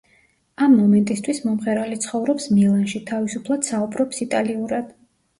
ამ მომენტისთვის მომღერალი ცხოვრობს მილანში, თავისუფლად საუბრობს იტალიურად.